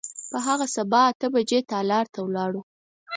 په هغه سبا اته بجې تالار ته ولاړو.